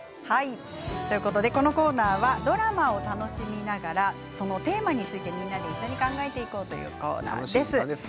このコーナーはドラマを楽しみながらそのテーマについてみんなで一緒に考えていこうというコーナーです。